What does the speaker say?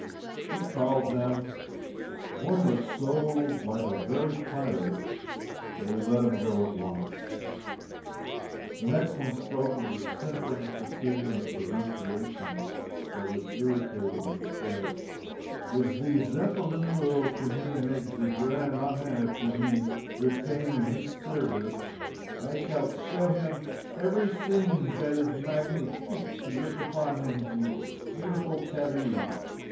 He called them. One looked so like a very pirate that we let him go at once. The next one spoke with a simpering precision of pronunciation that was irritating and said: "If ze zhentlemans will to me make ze grande honneur to me rattain in hees serveece, I shall show to him every sing zat is magnifique to look upon in ze beautiful Parree.